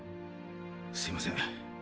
すいません